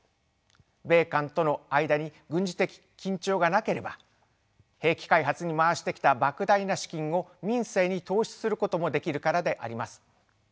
米韓との間に軍事的緊張がなければ兵器開発に回してきたばく大な資金を民生に投資することもできるからであります。